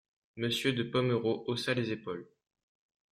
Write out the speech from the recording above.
Monsieur de Pomereux haussa les épaules.